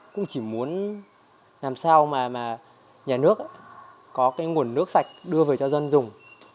cũng chỉ muốn làm sao mà nhà nước có cái nguồn nước sạch đưa về cho dân dùng